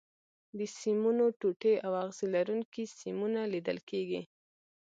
د سیمونو ټوټې او اغزي لرونکي سیمونه لیدل کېږي.